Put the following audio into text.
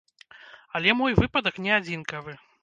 Але мой выпадак не адзінкавы.